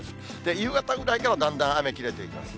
夕方ぐらいからだんだん雨切れていきます。